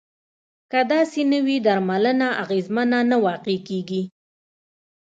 که داسې نه وي درملنه اغیزمنه نه واقع کیږي.